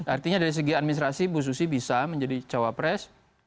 artinya dari segi administrasi bu susi bisa menjadi cawapres